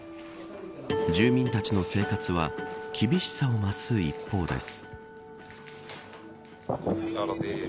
住民たちの生活は厳しさを増す一方です。